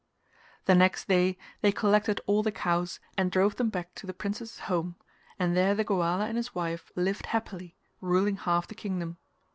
The next day they collected all the cows and drove them back to the princess' home and there the Goala and his wife lived happily, ruling half the kingdom.